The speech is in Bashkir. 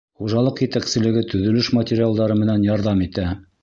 Хужалыҡ етәкселеге төҙөлөш материалдары менән ярҙам итә.